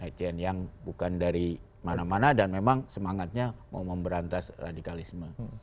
agen yang bukan dari mana mana dan memang semangatnya mau memberantas radikalisme